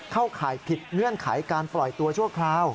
ข่ายผิดเงื่อนไขการปล่อยตัวชั่วคราว